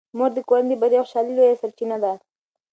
مور د کورنۍ د بریا او خوشحالۍ لویه سرچینه ده.